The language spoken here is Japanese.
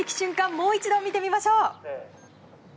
もう一度見ていきましょう。